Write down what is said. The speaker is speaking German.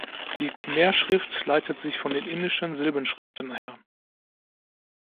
Die Khmer-Schrift leitet sich von den indischen Silbenschriften her.